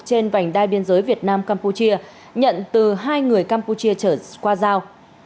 trên vành đai biên giới việt nam campuchia nhận từ hai người campuchia trở qua giao